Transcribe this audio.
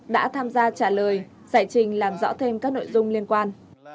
đã tham gia trả lời giải trình làm rõ thêm các nội dung liên quan